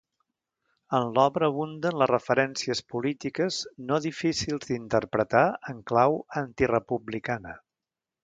En l'obra abunden les referències polítiques no difícils d'interpretar en clau antirepublicana.